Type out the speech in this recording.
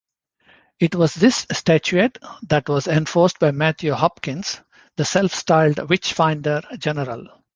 It was this statute that was enforced by Matthew Hopkins, the self-styled Witch-Finder General.